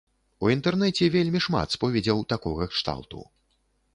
У інтэрнэце вельмі шмат споведзяў такога кшталту.